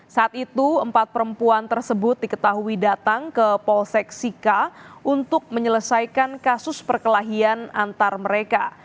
saat itu empat perempuan tersebut diketahui datang ke polsek sika untuk menyelesaikan kasus perkelahian antar mereka